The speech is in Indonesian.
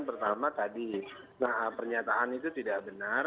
pertama tadi pernyataan itu tidak benar